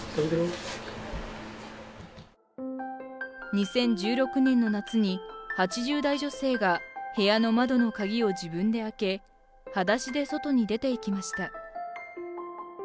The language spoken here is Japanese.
２０１６年の夏に８０代女性が部屋の窓の鍵を自分で開け裸足で外に出ていきました。